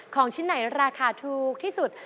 ของชิ้นไหนราคาถูกที่สุด